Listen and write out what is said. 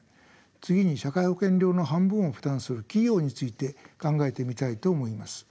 次に社会保険料の半分を負担する企業について考えてみたいと思います。